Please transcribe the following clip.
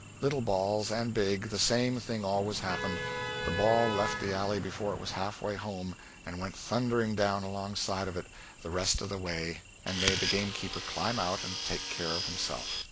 Little balls and big, the same thing always happened the ball left the alley before it was half way home and went thundering down alongside of it the rest of the way and made the gamekeeper climb out and take care of himself.